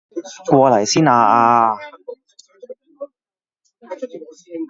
過嚟先啊啊啊